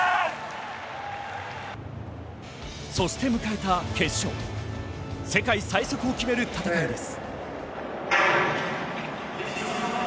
そして迎えた決勝、世界最速を決める戦いです。